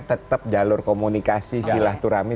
tetap jalur komunikasi silah turami